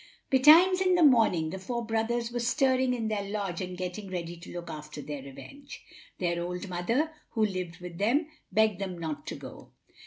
Betimes in the morning, the four brothers were stirring in their lodge and getting ready to look after their revenge. Their old mother, who lived with them, begged them not to go.